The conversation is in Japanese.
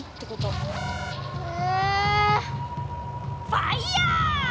ファイヤー！